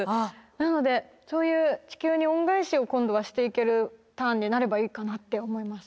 なのでそういう地球に恩返しを今度はしていけるターンになればいいかなって思います。